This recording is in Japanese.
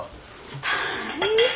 大変。